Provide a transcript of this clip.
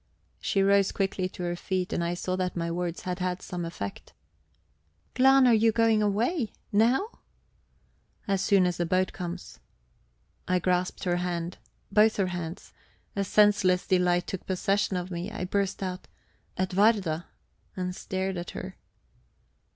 She rose quickly to her feet, and I saw that my words had had some effect. "Glahn, are you going away? Now?" "As soon as the boat comes." I grasped her hand both her hands a senseless delight took possession of me I burst out, "Edwarda!" and stared at her.